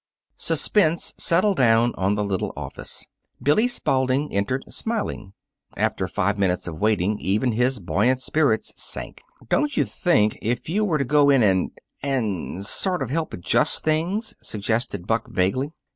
Suspense settled down on the little office. Billy Spalding entered, smiling. After five minutes of waiting, even his buoyant spirits sank. "Don't you think if you were to go in and and sort of help adjust things " suggested Buck vaguely.